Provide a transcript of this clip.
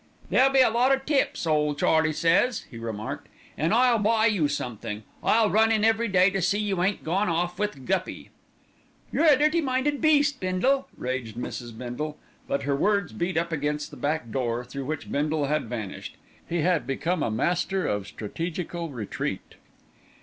"There'll be a lot o' tips, ole Charlie says," he remarked, "an' I'll buy you somethink. I'll run in every day to see you ain't gone off with 'Guppy.'" "You're a dirty minded beast, Bindle," raged Mrs. Bindle; but her words beat up against the back door, through which Bindle had vanished. He had become a master of strategical retreat.